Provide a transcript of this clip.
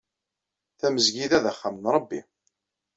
Tamezgida d axxam n rebbi.